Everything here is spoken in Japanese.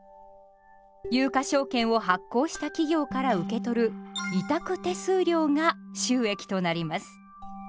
有価証券を発行した企業から受け取る委託手数料が収益となります。